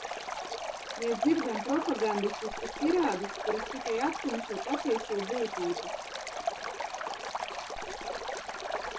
Mēs dzirdam propagandistiskas tirādes, kuras tikai aptumšo patieso būtību.